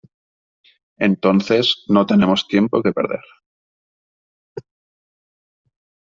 Entonces no tenemos tiempo que perder.